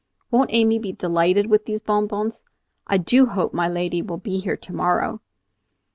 Won't Amy be delighted with these bonbons! I do hope my lady will be here tomorrow."